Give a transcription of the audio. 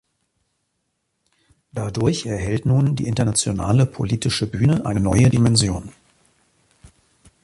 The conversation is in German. Dadurch erhält nun die internationale politische Bühne eine neue Dimension.